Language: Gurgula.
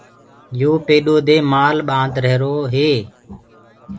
يو پيڏو دي مآل ڀند ريهرو هي۔